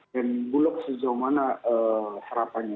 dan bulog sejauh mana harapannya